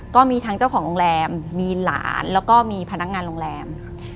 ก็มีทั้งเจ้าของโรงแรมมีหลานแล้วก็มีพนักงานโรงแรม